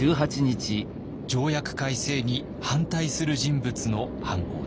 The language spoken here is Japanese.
条約改正に反対する人物の犯行でした。